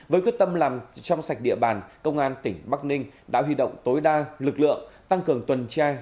với quyết tâm làm trong sạch địa bàn công an tỉnh bắc ninh đã huy động tối đa lực lượng tăng cường tuần tra